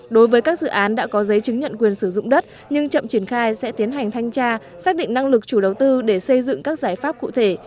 đối với các dự án đã có giấy chứng nhận quyền sử dụng đất nhưng chậm triển khai sẽ tiến hành thanh tra xác định năng lực chủ đầu tư để xây dựng các giải pháp cụ thể